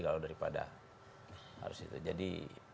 kalau daripada harus itu jadi